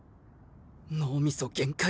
脳みそ限界。